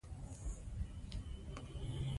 بېلېدو اضطراب د نوې تجربې له امله پیدا کېږي.